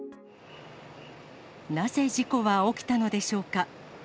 なぜ、事故は起きたのでしょうか。